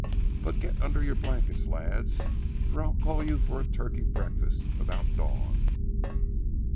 But get under your blankets, lads, for I'll call you for a turkey breakfast about dawn."